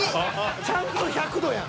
ちゃんと１００℃やん。